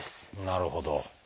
なるほど。